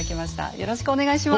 よろしくお願いします。